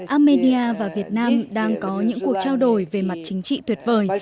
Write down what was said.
armenia và việt nam đang có những cuộc trao đổi về mặt chính trị tuyệt vời